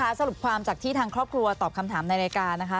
สรุปความจากที่ทางครอบครัวตอบคำถามในรายการนะคะ